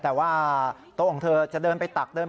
แต่ว่าโต๊ะของเธอจะเดินไปตักเดิน